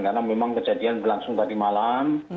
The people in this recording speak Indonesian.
karena memang kejadian berlangsung tadi malam